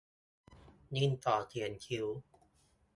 ดินสอเขียนคิ้ว